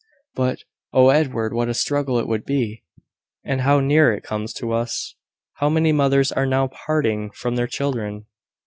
But, oh, Edward! what a struggle it would be! and how near it comes to us! How many mothers are now parting from their children!"